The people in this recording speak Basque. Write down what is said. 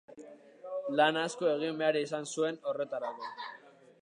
Lan asko egin behar izan zuen horretarako.